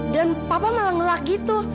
dan papa malah ngelak gitu